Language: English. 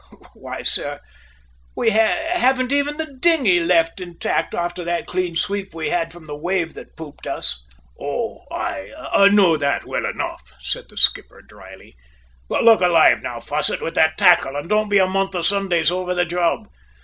"Why, sir, we haven't even the dinghy left intact after that clean sweep we had from the wave that pooped us!" "Oh, aye, I know that well enough," said the skipper drily. "But, look alive now, Fosset, with that tackle, and don't be a month of Sundays over the job!